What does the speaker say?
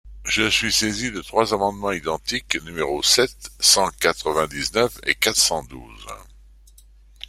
Je suis saisi de trois amendements identiques, numéros sept, cent quatre-vingt-dix-neuf et quatre cent douze.